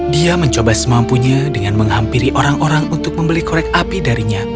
dia mencoba semampunya dengan menghampiri orang orang untuk membeli korek api darinya